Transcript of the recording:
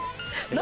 何？